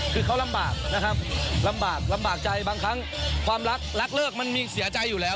คือเขาลำบากนะครับลำบากลำบากใจบางครั้งความรักรักเลิกมันมีเสียใจอยู่แล้ว